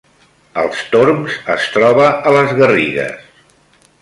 Els Torms es troba a les Garrigues